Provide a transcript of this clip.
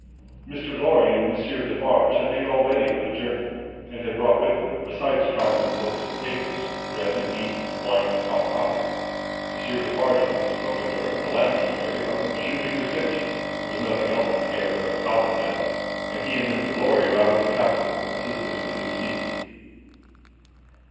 Mr. Lorry and Monsieur Defarge had made all ready for the journey, and had brought with them, besides travelling cloaks and wrappers, bread and meat, wine, and hot coffee. Monsieur Defarge put this provender, and the lamp he carried, on the shoemaker's bench (there was nothing else in the garret but a pallet bed), and he and Mr. Lorry roused the captive, and assisted him to his feet.